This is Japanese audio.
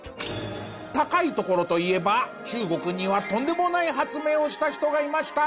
高い所といえば中国にはとんでもない発明をした人がいました。